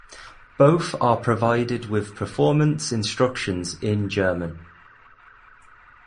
Both are provided with performance instructions in German.